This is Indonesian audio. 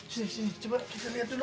sini sini coba kita lihat dulu